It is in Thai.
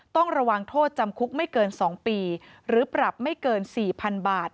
ต้องระวังโทษจำคุกไม่เกิน๒ปีหรือปรับไม่เกิน๔๐๐๐บาท